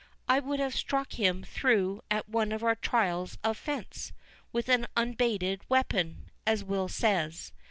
I would have struck him through at one of our trials of fence, with an unbated weapon, as Will says.